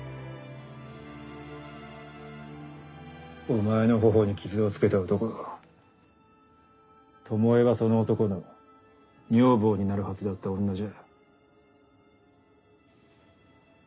お前の頬に傷をつけた男巴はその男の女房になるはずだった女じゃ。